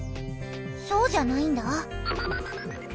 そうじゃないんだ。